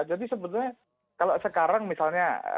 jadi sebetulnya kalau sekarang misalnya